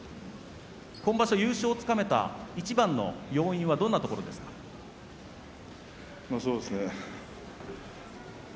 今場所、優勝をつかめたいちばんの要因はそうですね。